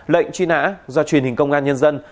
lệnh truy nã do truyền hình công an nhân dân